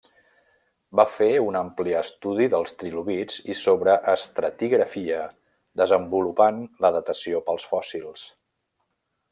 Va fer un ampli estudi dels trilobits i sobre estratigrafia desenvolupant la datació pels fòssils.